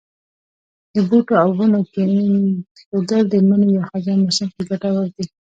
د بوټو او ونو کښېنول د مني یا خزان موسم کې کټور دي.